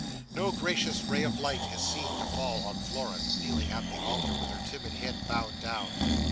No gracious ray of light is seen to fall on Florence, kneeling at the altar with her timid head bowed down.